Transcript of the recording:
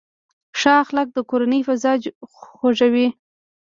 ښه اخلاق د کورنۍ فضا خوږوي.